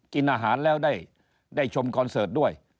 กินอาหารแล้วได้ชมคอนเสิร์ตด้วย